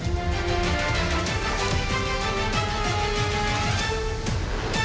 สวัสดีครับคุณผู้ชมค่ะต้อนรับเข้าที่วิทยาลัยศาสตร์